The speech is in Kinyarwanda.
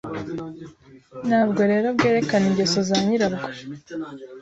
Ntabwo rero bwerekana ingeso za nyirabwo